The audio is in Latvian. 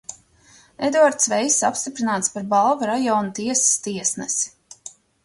Eduards Veiss apstiprināts par Balvu rajona tiesas tiesnesi.